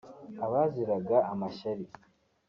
abaziraga amashyari